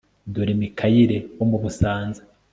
Dore Mikayire wo mu Busanza